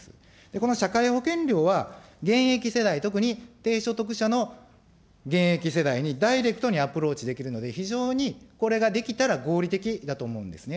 この社会保険料は、現役世代、特に低所得者の現役世代にダイレクトにアプローチできるので、非常にこれができたら合理的だと思うんですね。